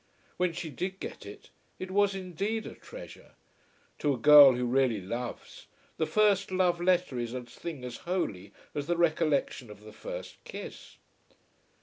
When she did get it, it was indeed a treasure. To a girl who really loves, the first love letter is a thing as holy as the recollection of the first kiss.